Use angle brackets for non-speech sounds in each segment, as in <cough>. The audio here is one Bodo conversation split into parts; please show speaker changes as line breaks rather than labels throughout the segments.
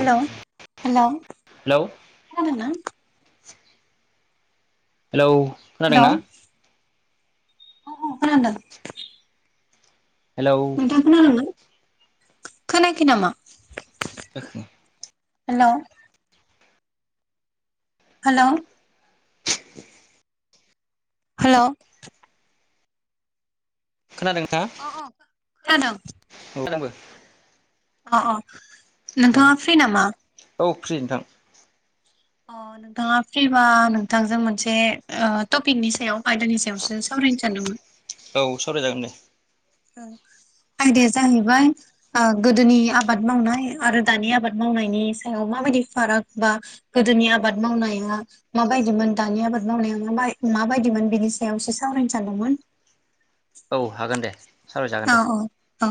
हेलौ हेलौ
हेलौ
खोनादोंना।
हेलौ।
हेलौ।
खोनादोंना
अ खोनादों।
हेलौ
<unintelligible> खोनायाखै नामा?
<unintelligible>
हेलौ। हेलौ। हेलौ।
खोनादों ना
अ अ <unintelligible>
औ
अ अ।
औ
नोंथाङा फ्रि नामा?
औ फ्रि नोंथां
अ नोंथाङा फ्रिबा नोंथांजों मोनसे ओ टपिकनि सायाव आयदानि सायावसो सावरायनो सानदोंमोन
औ सावरायजागोन दे
आयदाया जाहैबाय गोदोनि आबाद मावनाय आरो दानि आबाद मावनायनि सायाव माबायदि फाराग बा गोदोनि आबाद मावनाया माबायदिमोन दानि आबाद मावनाया म माबायदिमोन बेनि सायावससे सावरायनो सानदोंमोन
औ हागोन दे सावरायजागोन
औ
दे
औ औ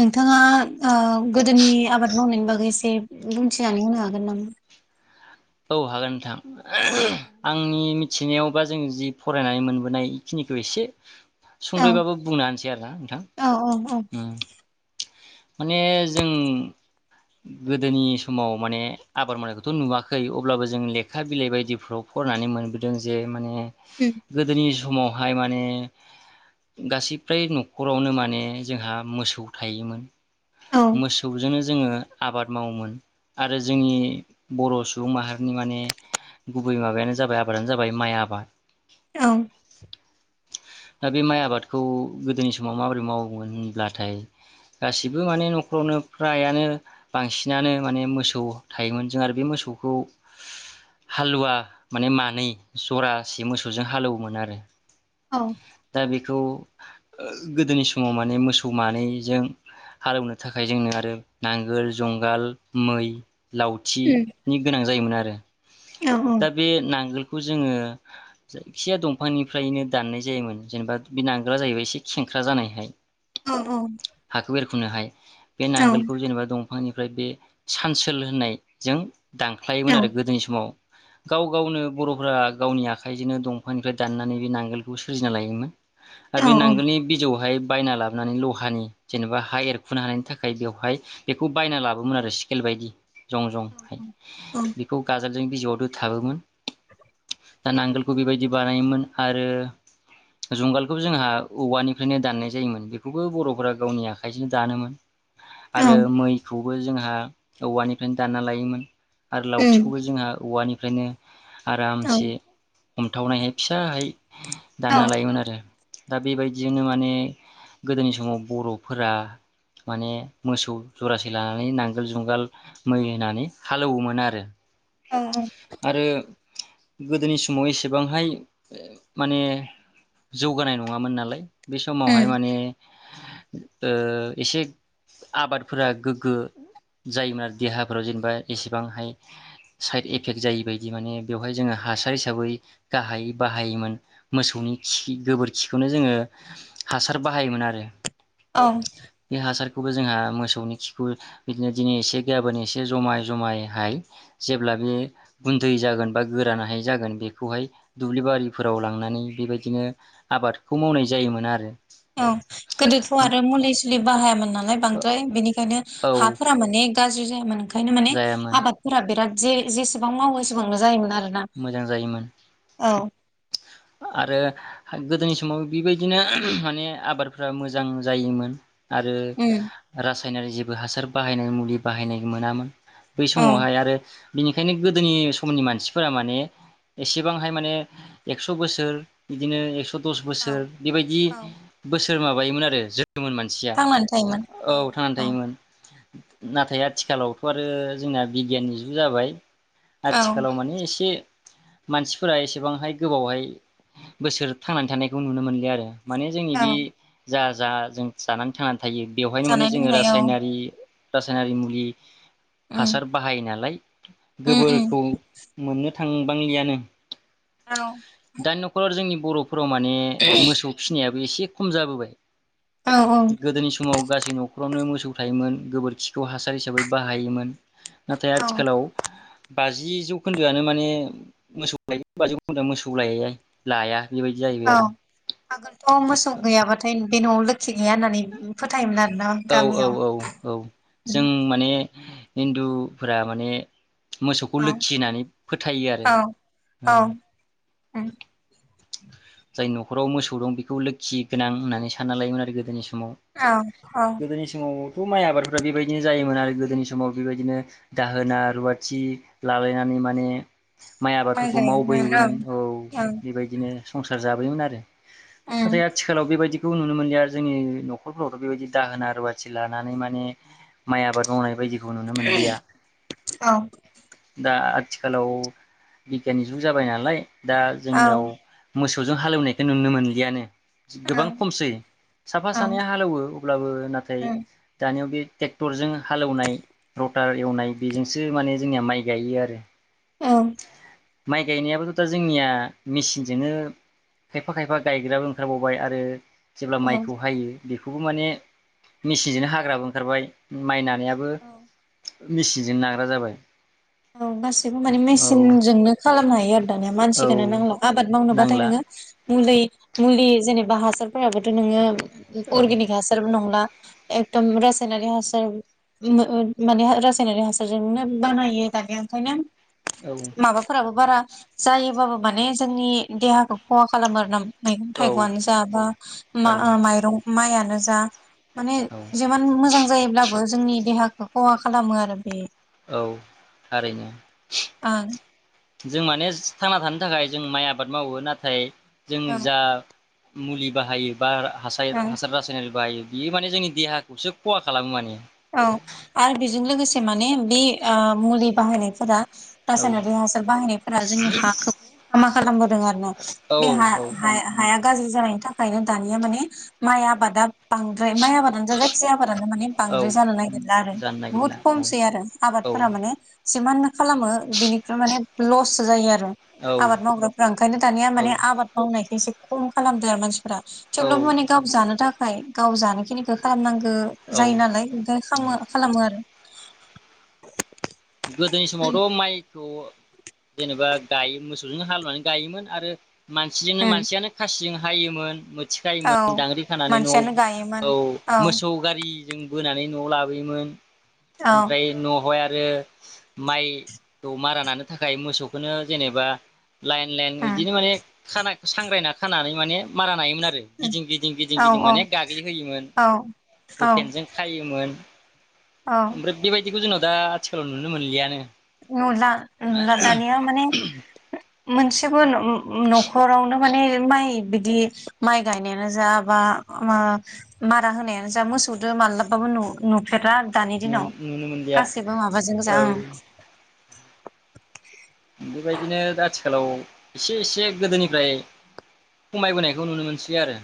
नोंथाङा गोदोनि आबाद मावनायनि बागै एसे बुंथिनानै होनो हागोन नामा
औ हागोन नोंथां आंनि मिथिनायाव बा जों जि फरायनानै मोनबोनाय बेखिनिखौ एसे
औ
संद्रैबाबो बुंनोानोसै आरोना नोंथां
औ औ औ
माने जों गोदोनि समाव माने आबाद मावनायखौथ नुवाखै खै अब्लाबो जों लेखा बिलाइ बायदिफ्राव फरायनानै मोनबोदों जे माने
उम
गोदोनि समावहाय माने गासै फ्राय नखरावनो माने जोंहा मोसौ थायोमोन
औ
मोसौजोंनो जोंङो आबाद मावोमोन आरो जोंनि बर सुबुं माहारिनि माने गुबै माबायानो जाबाय आबादानो जाबाय माइ आबाद
औ
दा बे माइ आबादखौ गोदोनि समाव माबोरै मावोमोन होनब्लाथाय गासिबो माने न'खरावनो फ्रायानो बांसिनानो माने मोसौ थायोमोन जों आरो बे मोसौखौ हालुवा माने मानै जरासे मोसौजों हालौवोमोन आरो
औ
दा बेखौ गोदोनि समाव माने मोसौ मानैजों हालेवनो थाखाय जोंनो आरो नांगोल जुंगाल मै
उम
लावथिनि गोनां जायोमोन आरो
औ
दा बे नांगोल बे खौ जोंङो जायखिया दंफांनिफ्रायनो दाननाय जायोमोन जेनेबा बे नांगोला जाहैबाय एसे खेंख्रा जानायहाय
औ औ
खुनो हाय बे नांगोलखौ जेनेबा बिफांनिफ्राय बे सानसोल होननायजों दानख्लायोमोन
औ
आरो गोदोनि समाव गाव गावनो बरफ्रा गावनि आखाइजोंनो दंफांनिफ्राय दाननानै बे नांगोलखौ सोरजिना लायोमोन आरो बे
औ औ
नांगोलनि बिजौहाय बायना लाबोनानै लहानि जेनेबा हा एरखुनो हानायनि थाखाय बेवहाय बेखौ बायना लाबोयोमोन आरो स्केल बायदि जं जंहाय
उम
बेखौ गाज <unintelligible> थाबोमोन
<unintelligible>
दा नांगोलखौ बेबायदि बानायोमोन आरो जुंगालखौबो जोंहा औवानिफ्रायनो दाननाय जायोमोन बेखौबो बरफोरा गावनि आखाइजोंनो दानोमोन
औ
आरो मैखौ बो जोंहा औवानिफ्रायनो दानना लायोमोन। आरो लावथिखौबो जोंहा औवानि फायनो आरामसे हमथावनायहाय फिसाहाय दानना लायोमोन आरो दा बेबायदिजोंनो माने गोदोनि समाव बर'फोरा माने मोसौ जरासे लानानै नांगोल जुंगाल मै होनानै हालौवोमोन आरो
औ
आरो गोदोनि समाव एसेबांहाय माने जौगानाय नङामोन नालाय। बे
उम
समावहाय माने ओ एसे आबादफोरा गोग्गो जायोमोन आरो देहाफोराव जेनेबा एसेबांहाय साइद एफेक्ट जायै बायदि माने बेवहाय जोङो हासार हिसाबै गाहायै बाहायोमोन मोसौनि खि गोबोरखिखौनो जोङो हासार बाहायोमोन आरो
औ
खौबो जोंहा मोसौनि खिखौ बिदिनो दिनै एसे गाबोन एसे जमाय जमायहाय जेब्ला बे गुन्दै जागोन बा गोरान हाय जागोन बेखौहाय दुब्लि बारिफोराव लांनानै बेबायदिनो आबादखौ मावनाय जायोमोन आरो
औ गोदोथ' आरो मुलि सुलि बाहायामोन नालाय बांद्राय बेनिखायनो
औ
हा फोरा माने गार ज्रि जायामोन <unintelligible> ओंखायनो माने
जायामोन
आबादफोरा बिराद जे जेसेबां मावो एसेबांनो जायोमोन आरो
मोजां जायोमोन
<unintelligible> औ
आरो गोदोनि समाव बेबायदिनो माने आबादफ्रा मोजां जायोमोन। आरो
उम
रा साइनारि जेबो हासार बाहायनाय मुलि बाहायनाय मोनामोन। बै
औ
समावहाय आरो बिनिखायनो गोदोनि समनि मानसिफोरा माने एसेबांहाय माने एक्स' बोसोर बिदिनो एक्स' दस
औ
बोसोर बेबायदि
औ
बोसो सोर माबायोमोन आरो <unintelligible> मानसिया औ थांनानै थायोमोन नाथाय आथिखालावथ' आरो जोंना बिगियाननि जुग जाबाय।
औ
आथिखालाव माने एसे मानसिफोरा एसेबांहाय गोबावहाय बोसोर थांनानै थानायखौ नुनो मोनलिया आरो माने जोंनि
औ
बे जा जा जों जानानै थांनानै थायो बेवहायनो माने
जानाय
जोङो
लोंनाय औ
रासायनारि रासायनारि मुलि
उम
हासार बाहायो नालाय
उम उम
गोबोरखौ मोननो थांबांलियानो
औ
दानि न'खराव जोंनि बरफ हराव माने मोसौ फिसिनायाबो एसे खम जाबोबाय
औ
गोदोनि समाव गासै न'खरावनो मोसौ थौ थायोमोन गोबोरखिखौ हासार हिसाबै बाहायोमोन नाथाय
औ
आथिखालाव बाजि जौ खोन्दोआनो माने मोसौ लायो बाजि जौ खोन्दोआनो मोसौ लायै लाया बेबायदि जाहैबाय
औ
आरो
आगोलथ' मोसौ गैयाबाथाय बे न'आव लोखि गैया होननानै फोथायोमोन आरो
औ औ औ औ जों माने हिन्दुफोरा माने मोसौखौ
औ
लोखि होननानै फोथायो आरो
औ
औ
उम
जाय न'खराव मोसौ दं बेखौ लोखि गोनां होननानै सानना लायोमोन आरो गोदोनि स माव
औ औ
गोदोनि समाव माइ आबादफ्रा बेबायदिनो जायोमोन आरो गोदोनि समाव बेबायदिनो दाहोना रुवाथि लालायनानै माने माइ आबादफोरखौ
गायोमोन ओं
मावबोयोमोन औ
ओं
बेबायदिनो संसार जाबोयमोन आरो नाथाय
उम
आथिखालाव बेबायदि बेखौ नुनो मोनलिया जोंनि न'खरफ्रावथ' बेबायदि दाहोना रुवाथि लानानै माने माइ आबाद मावनाय बायदिखौ नुनो मोनलिया
औ
दा आथिखालाव बिगियाननि जुग जाबाय नालाय दा जोंनियाव मोसौजों हालेवनायखौ नुनो मोनलियानो
औ
गोबां खमसै साफा
औ
सानैया हालेवो अब्लाबो नाथाय दानियाव बे ट्रेक्टरजों हालेवनाय रटार एवनाय बेजोंसो माने जोंनिया माइ गायो आरो
औ।
माइ गायनायाबोथ' दा जोंनिया मेसिनजोंनो खायफा खायफा गायग्राबो ओंखारबावबाय आरो। जेब्ला
औ
माइखौ हायो। बेखौबो माने मेचिनजोंनो हाग्राबो ओंखारबाय माइना बेआबो
औ
मेचनजों नाग्रा जाबाय
औ बास गसिबो माने
औ
मेसिनजोंनो खालामनो हायो आरो दानिया
औ
मानसिखौनो नांला आबाद मावनोबाथाय
नांला
नोङो मुलि मुलि जेनेबा हासारफोराबोथ' नोङो
औ
अर्गेनिक हासारबो नंला एकदम रासायनारि हासार माने रासायनारि हासारजोंनो बानायो दानिया ओंखायनो
औ
माबाफोराबो बारा जायोबाबो माने जोंनि देहाखौ खहा खालाम आर ना मैगं
औ
थाइगंनो जाबा बा
थारैनो
माइरं माइयानो जा माने
औ
जेबान मोजां जायोब्लाबो जोंनि देहा बे खहा खालामो आरो बे
औ। थारैनो
ओं
। जों माने थांना थानो थाखाय जों माइ आबाद मावो नाथाय जों
ओं
जा मुलि बाहायो बा हास
ओं
हासार रासायनारि बायो बियो माने जोंनि देहाखौसो खहा खालामो माने
औ आरो बेजों लोगोसे माने बे मुलि बाहायनायफोरा
औ
रासायनारि हासार बाहायनायफोरा जोंनि हाखौबो मा खालामगोन आरोना
औ
बे हा
औ
हाया हाया गाज्रि जानायनि थाखायनो दानिया माने माइ आबादा बांद्राय माय आबादानो जा जायखिया आबादानो मानि बांद्राय
औ
द्राय जानो नागिरला आरो
जानो
बुहुत
नागिरला औ
खमसै आरो
औ
आबादफोरा माने जिमाननो खालामो बिनिफ्राय माने लससो जायो आरो।
औ
आबाद मावग्राफ्रा ओंखायनो दानिया माने आबाद मावनायखौ एसे खम खालामदों आ मानस फ्रा
औ
थेवब्लाबो माने गाव जानो थाख थाखाय गाव जानायखिनिखौ खालामनांग गो
औ
जायो नालाय। खामो खालामो <unintelligible>
गोदोनि समावथ' माइ खौ जेनेबा गायो मोसौजों हालौनानै गायोमोन आरो मानसिजोंनो
उम
मानसियानो खासिजों हायोमोन मोज
औ
थिखायोमोन दांग्रि खानानै न'आव
मानसियानो गायोमोन
औ मोसौ गारिजों बोनानै न'आव लाबोयोमोन।
औ
ओमफ्राय न'आवहाय। <unintelligible> माइखौ मारा नानो थाखाय मोसौखौनो जेनेबा लाइन लाइन
उम
इदिनो माने खाना सांग्रायना खानानै माने माराम नायोमोन आरो गिदिं गिदिं गिदिं
औ
गिदिं माने गाग्लिहोयोमोन
औ औ
बुकेनजों खायोमोन।
औ
ओफ्राय बेबायदिबो जोंनाव दा आथि थ' नुनो मोनलियानो।
नुला नुला दानिया माने मोनसेबो नु उ न'खरावनो माने माइ बिदि माइ गायनायानो जा बा ओ मारा होनायानो जा मोसौदो माब्लाबाबाबो नु नुफेरा दानि दिनाव
नुनो मोनलिया
गासैबो माबाजों
औ
गोजा ओं
बेबायदिनो दा आथिखालाव एसे एसे गोदोनिफ्राय खमायबोनायखौ नुनो मोनसै आरो।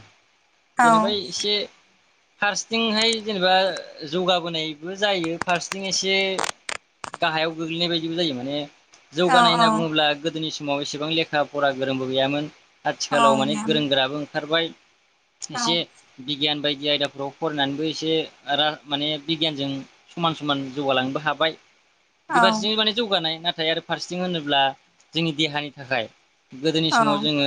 बेेनिफाय एसे फारसेथिंहाय जेनेबा जौगाबोनायबो जायो फारसेथिं एसे गाहायाव गोग्लैनाय बायदिबो जायो माने
औ
जौगानाय होनना
औ
बुङोब्ला गोदोनि समाव एसेबां लेखा फरा गोरोंबो गैयामोन।
औ
आथिखालाव माने
मेम
गोरों गोराबो ओं खारबाय
औ
एसे बिगियान बाय दि आयदाफ्राव फरायनानैबो एसे रा-माने बिगियानजों समान समान जौगालांनोबो हाबाय।
औ
बिबादिजों माने जौगानाय ना थाय आरो फारसेथिं होनोब्ला जोंनि देहानि थाखाय गोदोनि
औ
समाव जोङो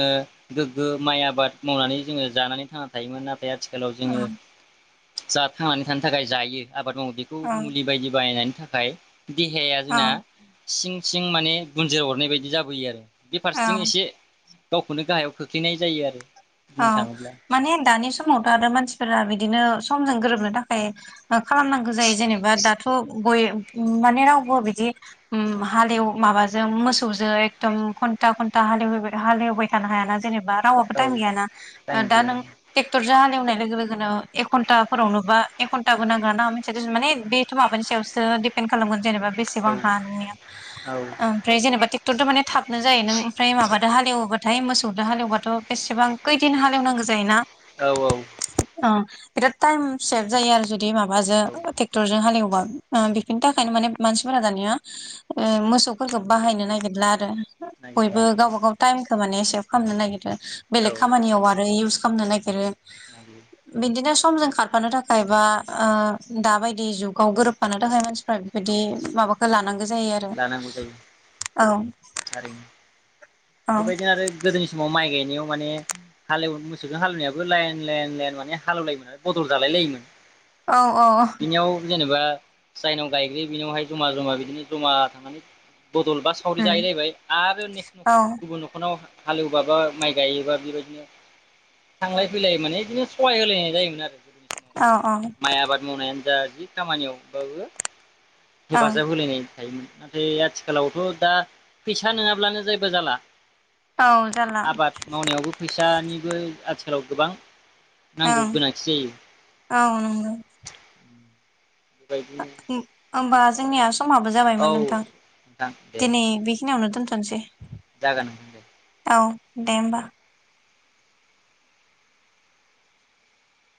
गोगो माइ आबाद मावनानै जोङो जानानै थांना थायोमोन ना थाय आथिखालाव जोङो जा थांनानै थानो थाखाय जायो। आबाद मावो बेखौ
औ
मुलि बायदि बाहायनानि थाखाय देहाया जोंना सिं सिं माने गुनजेर अरनाय बायदि जाबोयो आरो
औ
बेफारसेथिं
औ
एसे गावखोनो गाहायाव खोख्लैनाय जायो आरो
अ
बुंनो थाङोब्ला
माने आं दानि समावथ' आरो मानसिफोरा बिदिनो समजों गोरोबनो थाखाय खालामनांगो जायो जेनेबा दाथ' गय माने रावबो बिदि अम हालेव माबाजों मोसौजों एकदम घन्टा घन्टा हालेव हालेवबाय थानो हायाना जेनेबा रावहाबो
औ
टाइम गैयाना। ओ
टाइम
दा
गैया
नों टेक्टरजो हालेवनाय लोगो लोगोनो एक घन्टाफोरावनो बा एक खन्टाबो नांगोन ना नांङा मिथिया दिसुन माने बेथ' माबानि सायावसो दिपेन खालामगोन जेनेबा
औ
बेसेबां हा नोंनिया
औ
ओमफ्राय जेनेबा टेक टराथ' माने थाब नो जायो नों ओमफ्राय माबा दा हालेवोबाथाय मोसौजों हालेवबाथ इसेबां कैदिन हालेवनांगो जायो ना
औ औ
बिराद टाइम सेभ जायो आरो जु दि माबाजो
औ
टेक्टरजों हालेवोबा ओ बेफोरनि थाखायनो माने मानसिफोरा दानिया ओ मोसौफोरखौ बाहायनो नागिरला आरो
नागिरला
बयबो गावबा गाव टाइम तामाने सेभ खालामनो नागिरो।
औ
खामानियाव आरो इउस खामनो नागिरो।
नागिरो
बिदिनो समजों खारफानो थाखाय बा ओ दाबायदि जुगाव गोरोबफानो थाखाय मानसि फ्रा बिदि
औ
माबाखो लानां गो जायो आरो
लानांगौ जायो
औ
थारैनो।
औ
बेबायदिनो आरो गोदोनि समाव माइ गाय नायाव माने हालेव मोसौजों हालेवनायाबो लायेन लायेन लायेन माने हालौवलायोमोन बदल जालाय लायोमोन।
औ औ
बिनियाव जेनेबा जायनाव गायग्रोयो बिनावहाय जमा जमा बिदिनो जमा थांनानै बदलबा सावरि
उम
जाहैलायबाय आरो
औ
<unintelligible> न'खरनाव हालेवबाबो माइ गायोबा बेबायदिनो
औ
थांलाय फैलाय माने इदिनो सहाय होलायनाय जायोमोन आरो
औ
माइ आबाद मावनाया जा जि खामानियावबाबो
औ
हेफाजाब होलायनाय थायोमोन। नाथाय आथिखालावथ' दा फैसा नोङाब्लानो जैबो जाला।
औ जाला
आबाद मावनायावबो फैसानि <unintelligible> आथिखालाव गोबां। नांगौ
ओं
गोनांथि जायो
औ नंगौ।
बेबायदिनो।
ओमबा जोंनिया समाबो
औ
जाबायमोन नोंथां
दे
दिनै बे खिनियावनो दोनथ'नोसै।
जागोन दे।
औ दे होमबा।